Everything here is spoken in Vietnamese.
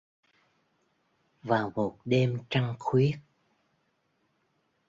Vào một đêm trăng khuyết